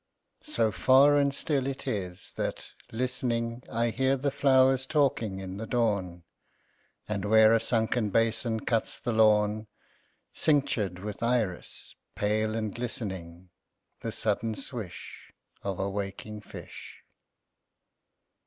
So far and still it is that, listening, I hear the flowers talking in the dawn; And where a sunken basin cuts the lawn, Cinctured with iris, pale and glistening, The sudden swish Of a waking fish.